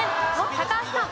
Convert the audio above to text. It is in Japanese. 高橋さん。